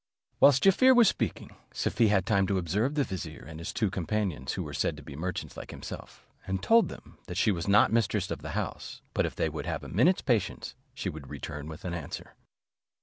Whilst Jaaffier was speaking, Safie had time to observe the vizier, and his two companions, who were said to be merchants like himself, and told them that she was not mistress of the house; but if they would have a minute's patience, she would return with an answer.